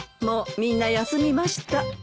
もうみんな休みました。